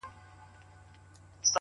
ته يې جادو په شينكي خال كي ويــنې،